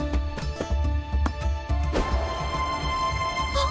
あっ！